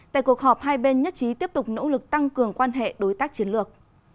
tại cuộc họp hai bên nhất trí tiếp tục nỗ lực tăng cường quan hệ đối tác chiến lược